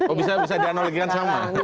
oh bisa di analogikan sama